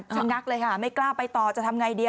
ฉันนักเลยค่ะไม่กล้าไปต่อจะทำอย่างไรดี